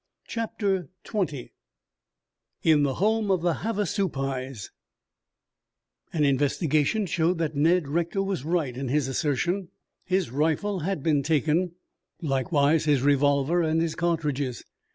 CHAPTER XX IN THE HOME OF THE HAVASUPAIS An investigation showed that Ned Rector was right in his assertion. His rifle had been taken, likewise his revolver and his cartridges.